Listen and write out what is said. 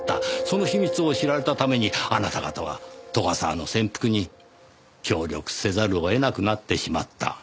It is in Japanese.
その秘密を知られたためにあなた方は斗ヶ沢の潜伏に協力せざるを得なくなってしまった。